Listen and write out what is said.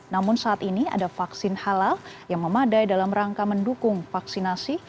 namun saat ini ada vaksin halal yang memadai dalam rangka mendukung vaksinasi